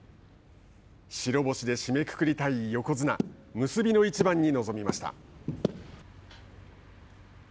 白星で締めくくりたい横綱結びの一番に臨みました。